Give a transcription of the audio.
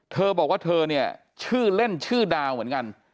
เธอบอกว่าเธอเนี่ยชื่อเล่นชื่อดาวเหมือนกัน